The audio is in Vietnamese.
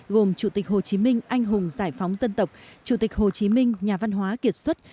gồm chủ tịch hồ chí minh anh hùng giải phóng dân tộc chủ tịch hồ chí minh nhà văn hóa kiệt xuất